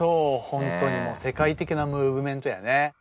本当にもう世界的なムーブメントやね。